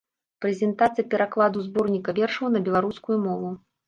Прэзентацыя перакладу зборніка вершаў на беларускую мову.